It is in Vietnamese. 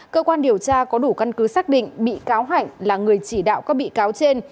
cơ quan điều tra có đủ căn cứ xác định bị cáo hạnh là người chỉ đạo các bị cáo trên